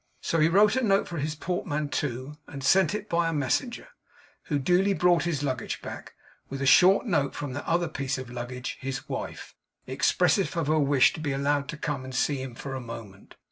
So he wrote a note for his portmanteau, and sent it by a messenger, who duly brought his luggage back, with a short note from that other piece of luggage, his wife, expressive of her wish to be allowed to come and see him for a moment.